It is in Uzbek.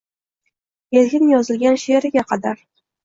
erkin yozilgan she’riga qadar